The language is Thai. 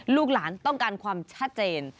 ลูกหลานต้องการความชัดเจน